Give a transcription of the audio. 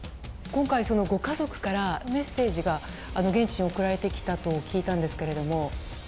今回ご家族からメッセージが現地に送られてきたと聞いたんですけども。